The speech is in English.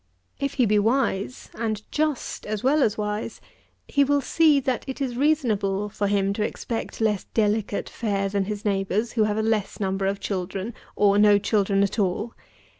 If he be wise, and just as well as wise, he will see that it is reasonable for him to expect less delicate fare than his neighbours, who have a less number of children, or no children at all.